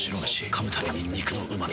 噛むたびに肉のうま味。